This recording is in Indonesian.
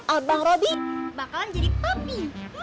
abang robi bakalan jadi kopi